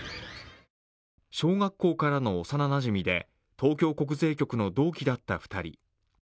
小学校からの幼なじみで東京国税局の同期だった２人。